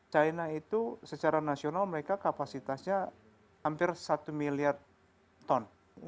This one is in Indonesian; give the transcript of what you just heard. china itu secara nasional mereka kapasitasnya hampir satu miliar ton